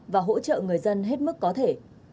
và hỗ trợ người dân hết mức có thể